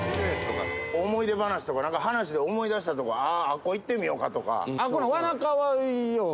思い出話とか、なんか話で思い出したとか、あそこ行ってみようかとか。